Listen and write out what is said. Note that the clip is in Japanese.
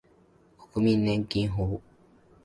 国民年金法